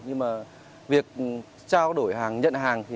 nhưng mà việc trao đổi hàng nhận hàng thì